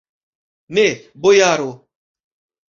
Ne, bojaro.